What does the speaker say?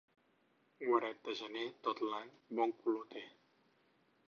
Guaret de gener tot l'any bon color té.